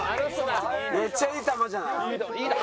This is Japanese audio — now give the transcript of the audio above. めっちゃいい球じゃない。